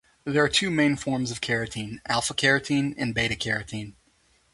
There are two main forms of keratin, alpha-keratin and beta-keratin.